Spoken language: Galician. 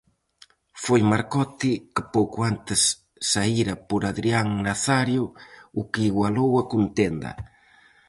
Foi Marcote, que pouco antes saíra por Adrián Nazario, o que igualou a contenda.